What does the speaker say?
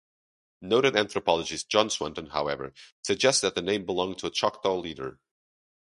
Noted anthropologist John Swanton, however, suggests that the name belonged to a Choctaw leader.